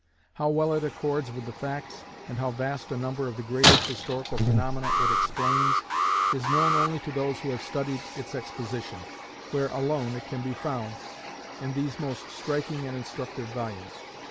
How well it accords with the facts, and how vast a number of the greater historical phaenomena it explains, is known only to those who have studied its exposition, where alone it can be found in these most striking and instructive volumes.